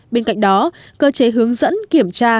bên cạnh đó cơ chế hướng dẫn kiểm tra